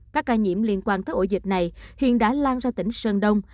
các ca nhiễm liên quan tới ổ dịch này hiện đã lan ra tỉnh sơn đông